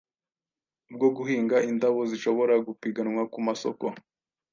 bwo guhinga indabo zishobora gupiganwa ku masoko